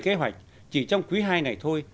kế hoạch chỉ trong quý hai ngày thôi